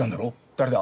誰だ？